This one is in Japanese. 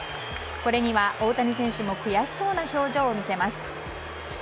これには大谷選手も悔しそうな表情を見せます。